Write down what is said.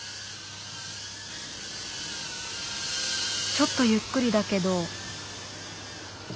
ちょっとゆっくりだけど。